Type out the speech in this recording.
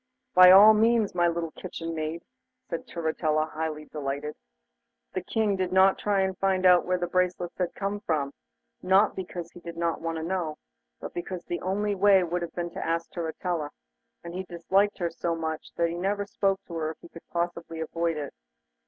'By all means, my little kitchen maid,' said Turritella, highly delighted. The King did not try to find out where the bracelets had come from, not because he did not want to know, but because the only way would have been to ask Turritella, and he disliked her so much that he never spoke to her if he could possibly avoid it.